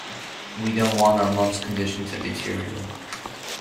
We don't want our mum's condition to deteriorate.